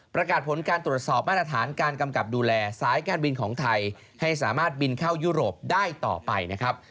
ประกาศผลการตรวจสอบมาตรฐานการกำกับดูแลสายการบินของไทยให้สามารถบินเข้ายุโรปได้ต่อไปนะครับ